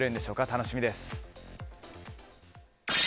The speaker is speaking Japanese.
楽しみです。